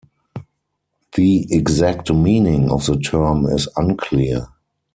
The exact meaning of the term is unclear.